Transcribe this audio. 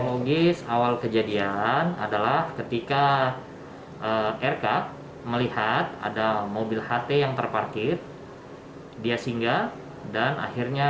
krogis awal kejadian adalah ketika rk melihat ada mobil ht yang terparkir dia singgah dan akhirnya